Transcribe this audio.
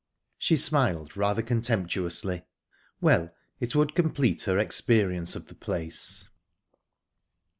She smiled rather contemptuously. Well, it would complete her experience of the place!